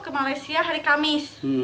ke malaysia hari kamis